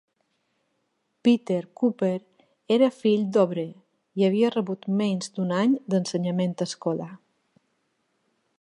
Peter Cooper era fill d'un obrer, i havia rebut menys d'un any d'ensenyament escolar.